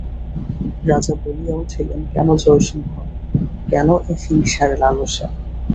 রাজা বলিয়া উঠিলেন, কেন জয়সিংহ, কেন এ হিংসার লালসা!